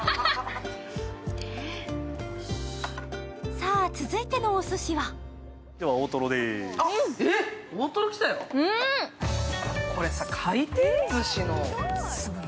さあ、続いてのおすしはこれ、回転ずしの。